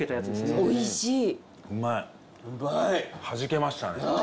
はじけましたね。